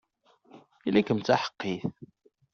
Ili-kem d taḥeqqit!